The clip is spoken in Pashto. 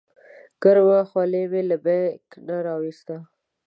ګرمه خولۍ مې له بیک نه راوویسته.